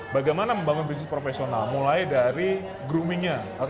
bagaimana membangun bisnis profesional mulai dari groomingnya